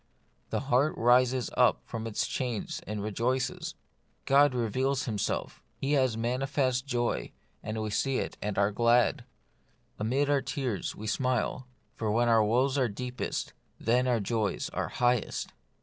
The heart rises up from its chains and rejoices. God has revealed Himself; He has manifested joy, and we see it and are glad. Amid our tears we smile, for when our woes are deepest, then our joys are highest.